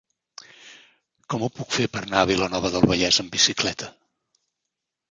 Com ho puc fer per anar a Vilanova del Vallès amb bicicleta?